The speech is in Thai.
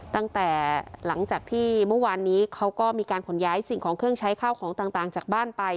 หลังจากที่เมื่อวานนี้เขาก็มีการขนย้ายสิ่งของเครื่องใช้ข้าวของต่างจากบ้านไป